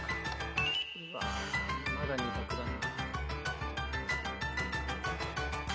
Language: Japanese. うわまだ２択だな。